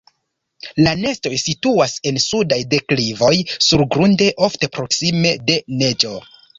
La nestoj situas en sudaj deklivoj surgrunde, ofte proksime de neĝo.